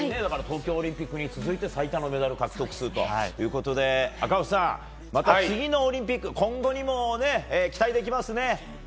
東京オリンピックに続いて最多のメダル獲得数ということで赤星さんまた次のオリンピック今後にも期待できますね。